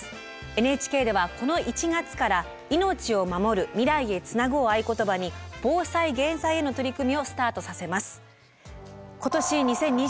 ＮＨＫではこの１月からを合言葉に防災・減災への取り組みをスタートさせます。